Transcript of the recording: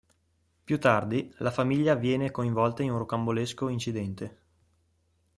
Più tardi, la famiglia viene coinvolta in un rocambolesco incidente.